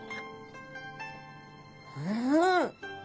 うん！